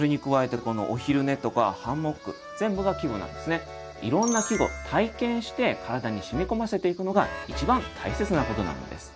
それに加えてこのいろんな季語体験して体に染み込ませていくのが一番大切なことなんです。